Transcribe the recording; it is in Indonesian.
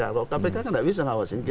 kalau kpk kan nggak bisa mengawasi